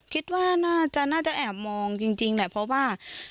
คิดว่าน่าจะน่าจะแอบมองจริงจริงแหละเพราะว่า